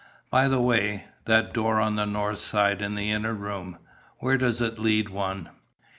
By the way, that door on the north side, in the inner room; where does it lead one?"